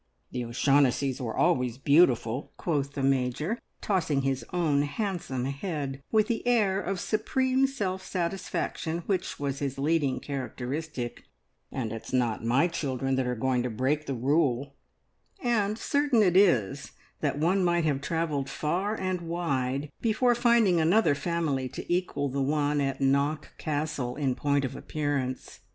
"The O'Shaughnessys were always beautiful," quoth the Major, tossing his own handsome head with the air of supreme self satisfaction which was his leading characteristic, "and it's not my children that are going to break the rule," and certain it is that one might have travelled far and wide before finding another family to equal the one at Knock Castle in point of appearance.